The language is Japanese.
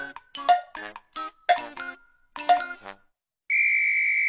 ピッ！